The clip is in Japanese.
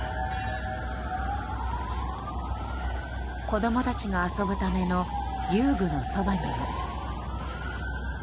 子供たちが遊ぶための遊具のそばにも。